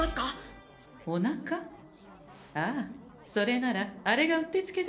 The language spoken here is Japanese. ああそれならあれがうってつけでござんしょう。